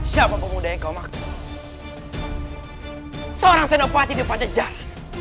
siapa pemuda kau maksud seorang senopati depan jajar